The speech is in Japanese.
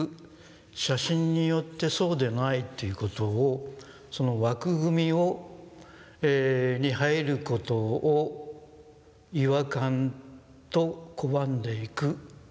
写真によってそうでないということをその枠組みに入ることを違和感と拒んでいく。